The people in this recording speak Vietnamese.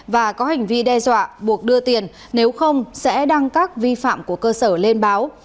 và có hành vi đe dọa buộc đưa tiền nếu không sẽ đăng các vi phạm của cơ sở lên báo